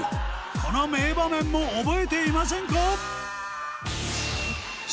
この名場面も覚えていませんか？